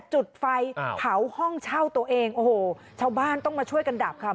จุดไฟเผาห้องเช่าตัวเองโอ้โหชาวบ้านต้องมาช่วยกันดับค่ะ